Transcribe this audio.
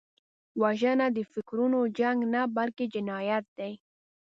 وژنه د فکرونو جنګ نه، بلکې جنایت دی